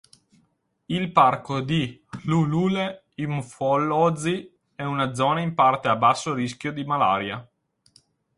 Il parco di Hluhluwe-Imfolozi è una zona in parte a basso rischio di malaria.